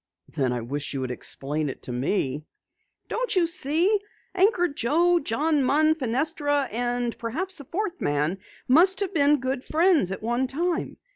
"Then I wish you would explain to me." "Don't you see? Anchor Joe, John Munn, Fenestra, and perhaps a fourth man must have been good friends at one time.